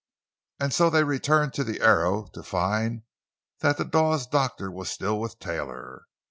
And so they returned to the Arrow, to find that the Dawes doctor was still with Taylor.